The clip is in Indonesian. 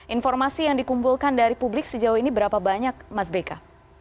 informasi yang dikumpulkan dari publik sejauh ini berapa banyak mas beka